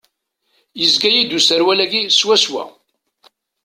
Yezga-yi-d userwal-agi swaswa.